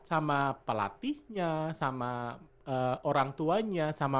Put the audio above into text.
sama pelatihnya sama orang tuanya sama